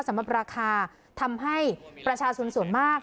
สำหรับราคาทำให้ประชาชนส่วนมาก